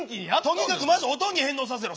とにかくまずおとんに返納させろ。